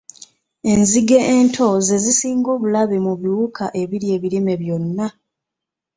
Enzige ento ze zisinga obulabe mu biwuka ebirya ebirime byonna.